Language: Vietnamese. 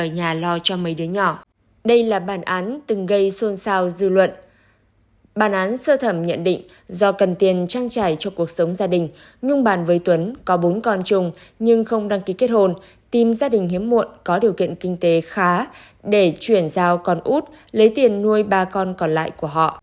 bàn án sơ thẩm nhận định do cần tiền trang trải cho cuộc sống gia đình nhung bàn với tuấn có bốn con chung nhưng không đăng ký kết hôn tìm gia đình hiếm muộn có điều kiện kinh tế khá để chuyển giao con út lấy tiền nuôi ba con còn lại của họ